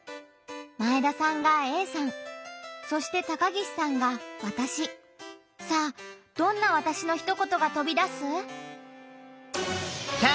前田さんが「Ａさん」そして高岸さんが「わたし」。さあどんな「わたし」のひと言がとび出す？